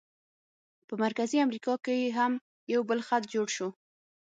په مرکزي امریکا کې هم یو بل خط جوړ شو.